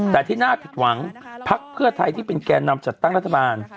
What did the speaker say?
แต่ที่น่าผิดหวังพักเพื่อไทยที่เป็นแก่นำจัดตั้งรัฐบาล